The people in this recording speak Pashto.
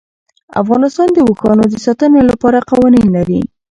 افغانستان د اوښانو د ساتنې لپاره قوانین لري.